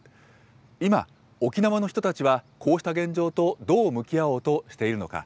今、沖縄の人たちは、こうした現状とどう向き合おうとしているのか。